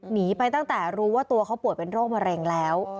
หนีไปตั้งแต่รู้ว่าตัวเขาป่วยเป็นโรคมะเร็งแล้ว